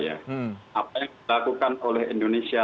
apa yang dilakukan oleh indonesia